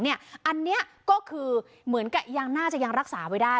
อันนี้ก็คือเหมือนกับยังน่าจะยังรักษาไว้ได้